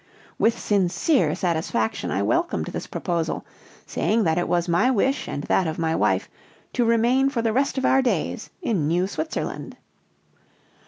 With sincere satisfaction I welcomed this proposal, saying that it was my wish and that of my wife to remain for the rest of our days in New Switzerland.